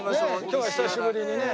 今日は久しぶりにね。